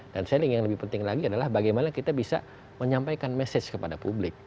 dan seling yang lebih penting lagi adalah bagaimana kita bisa menyampaikan message kepada publik